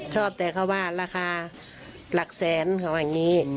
ชอบแต่เขาว่าราคาหลักแสนเขาอย่างนี้